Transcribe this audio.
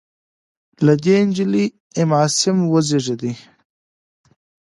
له دې نجلۍ ام عاصم وزېږېده.